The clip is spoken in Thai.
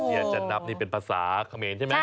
เจียร์จันทรัพย์นี่เป็นภาษาเขมรใช่ไหม